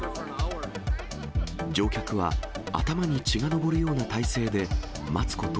乗客は頭に血が上るような体勢で待つこと